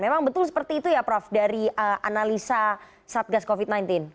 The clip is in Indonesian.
memang betul seperti itu ya prof dari analisa satgas covid sembilan belas